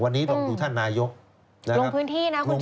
วันนี้ลองดูท่านนายกลงพื้นที่นะคุณผู้ชม